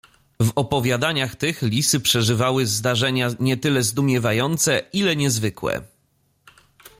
"W opowiadaniach tych lisy przeżywały zdarzenia nie tyle zdumiewające, ile niezwykłe."